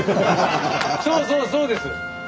そうそうそうです。